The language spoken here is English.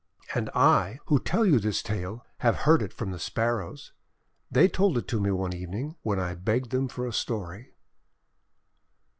And I who tell you this tale have heard it from the Sparrows. They told it to me one evening, when I begged them for a story.